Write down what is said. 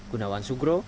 gunawan sugro jakarta